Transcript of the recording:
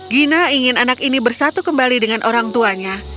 gina ingin anak ini bersatu kembali dengan orang tuanya